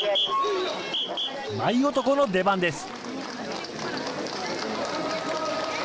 舞男の出番です。